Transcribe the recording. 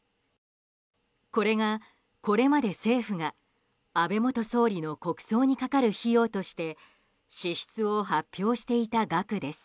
これが、これまで政府が安倍元総理の国葬にかかる費用として支出を発表していた額です。